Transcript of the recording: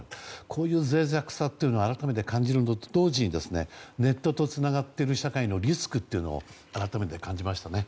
こういう脆弱さを改めて感じると同時にネットとつながっている社会のリスクを改めて感じましたね。